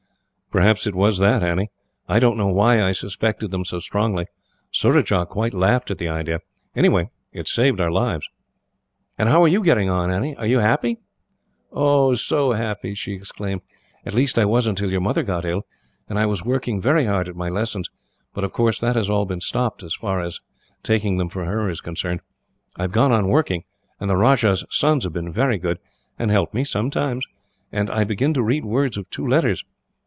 "Perhaps it was that, Annie. I don't know why I suspected them so strongly Surajah quite laughed at the idea. Anyhow, it saved our lives. "And how are you getting on, Annie? Are you happy?" "Oh, so happy!" she exclaimed. "At least, I was until your mother got ill, and I was working very hard at my lessons; but of course that has all been stopped, as far as taking them from her is concerned. But I have gone on working, and the Rajah's sons have been very good, and helped me sometimes, and I begin to read words of two letters.